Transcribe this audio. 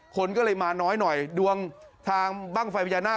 คนก็เลยมาน้อยหน่อยดวงทางบ้างไฟพญานาค